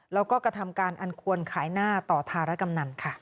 แล้วก็กระทำการอันควรขายหน้าต่อธารกำนันค่ะ